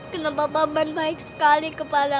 kenapa papan baik sekali kepadaku